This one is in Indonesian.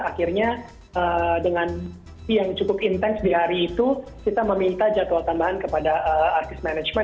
akhirnya dengan yang cukup intens di hari itu kita meminta jadwal tambahan kepada artis management